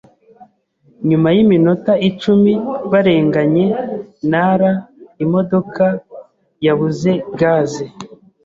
Nyuma yiminota icumi barenganye Nara, imodoka yabuze gaze.